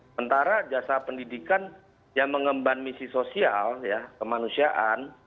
sementara jasa pendidikan yang mengemban misi sosial kemanusiaan